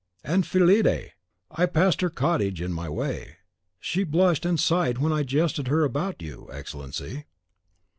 "And Fillide! I passed her cottage in my way, she blushed and sighed when I jested her about you, Excellency!"